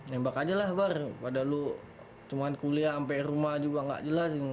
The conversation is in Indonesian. nembak aja lah bar pada lu cuma kuliah sampai rumah juga nggak jelas